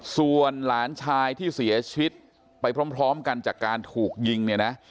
ส่วนหลานชายที่เสียชีวิตไปพร้อมกันจากการถูกยิงเนี่ยนะ